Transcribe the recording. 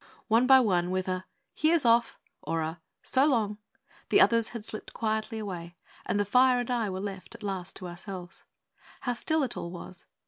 One by one, with a 'Here's off!' or a 'So long!' the others had slipped quietly away, and the fire and I were at last left to ourselves. How still it all was!